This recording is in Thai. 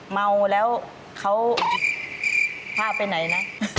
เมาแล้วเขาพาไปไหนนะ